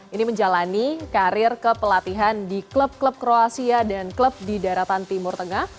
ini menjalani karir kepelatihan di klub klub kroasia dan klub di daratan timur tengah